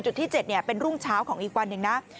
ที่๗เป็นรุ่งเช้าของอีกวันหนึ่งนะ